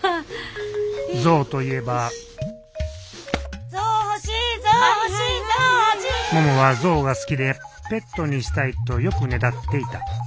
象といえばももは象が好きでペットにしたいとよくねだっていた。